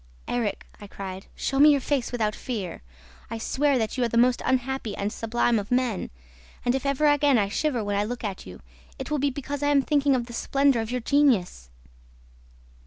'Erik,' I cried, 'show me your face without fear! I swear that you are the most unhappy and sublime of men; and, if ever again I shiver when I look at you, it will be because I am thinking of the splendor of your genius!'